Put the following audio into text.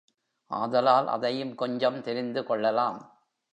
ஆதலால் அதையும் கொஞ்சம் தெரிந்து கொள்ளலாம்.